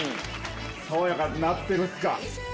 さわやかになってるっすか？